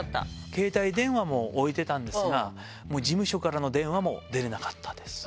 携帯電話も置いてたんですが、もう事務所からの電話も出れなかったです。